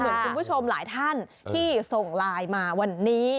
เหมือนคุณผู้ชมหลายท่านที่ส่งไลน์มาวันนี้